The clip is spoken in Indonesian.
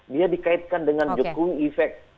dia dikaitkan dengan jukung efek